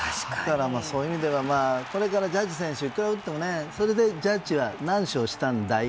そういう意味ではこれからジャッジ選手がいくら打ってもそれでジャッジは何勝したんだい？